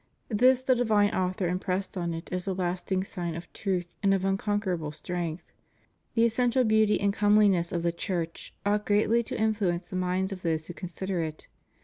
This the divine Author impressed on it as a lasting sign of truth and of unconquerable strength. The essential beauty and come liness of the Church ought greatly to influence the minds of those who consider it.